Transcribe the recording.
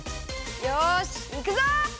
よしいくぞ！